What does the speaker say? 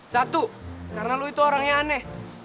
satu karena lo itu orangnya aneh